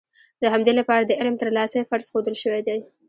د همدې لپاره د علم ترلاسی فرض ښودل شوی دی.